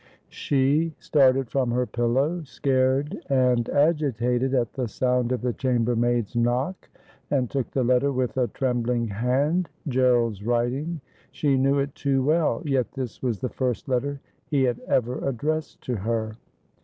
She started from her pillow, scared and agitated at the sound of the chambermaid's knock, and took the letter with a trembling hand. Gerald's writing ! She knew it too well ; yet this was the first letter he had ever addressed to her.